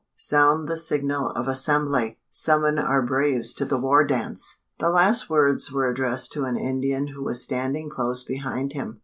sound the signal of assembly! Summon our braves to the war dance!" The last words were addressed to an Indian who was standing close behind him.